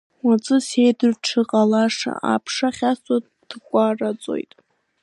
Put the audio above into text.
Уаҵәы сеидру дшыҟалаша, аԥша ахьасуа дкәараҵоит!